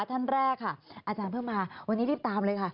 ท่านแรกค่ะอาจารย์เพิ่งมาวันนี้รีบตามเลยค่ะ